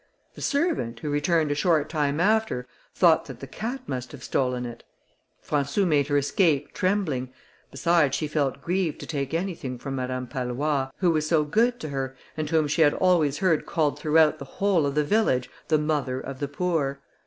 The servant, who returned a short time after, thought that the cat must have stolen it. Françou made her escape trembling; besides she felt grieved to take anything from Madame Pallois, who was so good to her, and whom she had always heard called throughout the whole of the village the mother of the poor.